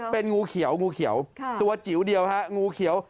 เป็นงูเขียวตัวจิ๋วเดียวงูเขียว